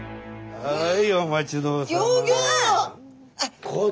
はい。